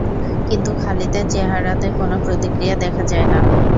কিন্তু খালিদের চেহারাতে কোন প্রতিক্রিয়া দেখা যায় না।